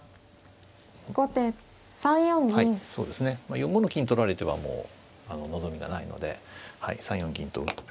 ４五の金取られてはもう望みがないので３四銀と打って。